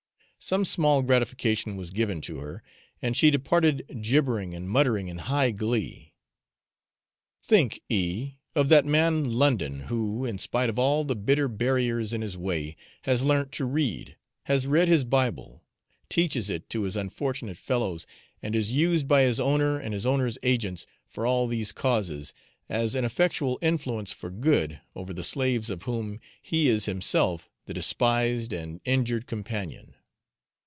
Some small gratification was given to her, and she departed gibbering and muttering in high glee. Think, E , of that man London who, in spite of all the bitter barriers in his way, has learnt to read, has read his Bible, teaches it to his unfortunate fellows, and is used by his owner and his owner's agents, for all these causes, as an effectual influence for good over the slaves of whom he is himself the despised and injured companion.